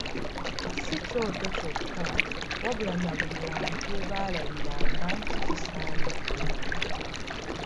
Si kyoto kyokka wabula na buli wantu we baalabiranga nti kisaanidde.